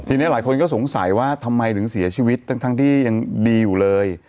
ทีนี้หลายคนก็สงสัยว่าทำไมถึงเสียชีวิตทั้งที่ยังดีอยู่เลย